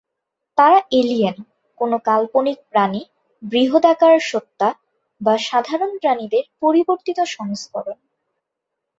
তারা এলিয়েন, কোন কাল্পনিক প্রাণী, বৃহদাকার সত্ত্বা বা সাধারণ প্রাণীদের পরিবর্তিত সংস্করণ।